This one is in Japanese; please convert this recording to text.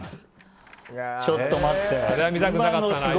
ちょっと待ってよ。